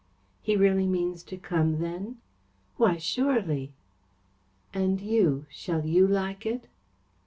"He really means to come then?" "Why, surely." "And you? Shall you like it?"